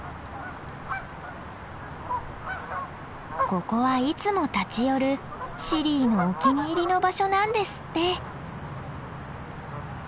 ここはいつも立ち寄るシリーのお気に入りの場所なんですって。